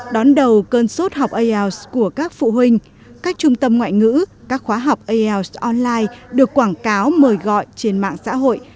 đón đầu cơn sốt học ielts của các phụ huynh các trung tâm ngoại ngữ các khóa học ielts online được quảng cáo mời gọi trên mạng xã hội